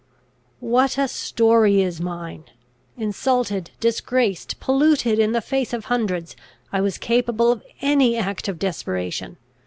"What a story is mine! Insulted, disgraced, polluted in the face of hundreds, I was capable of any act of desperation.